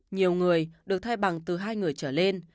nhiều người được thay bằng từ hai người trở lên